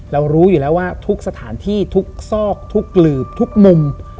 รู้อยู่แล้วว่าทุกสถานที่ทุกซอกทุกหลืบทุกมุม